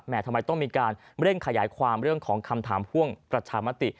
ทำไมต้องมีการเร่งขยายความเรื่องของคำถามพ่วงประชามติ